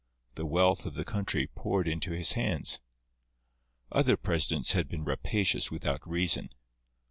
The wealth of the country poured into his hands. Other presidents had been rapacious without reason.